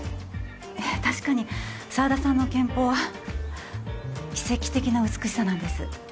ええ確かに沢田さんの肩峰は奇跡的な美しさなんです